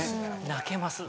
泣けます。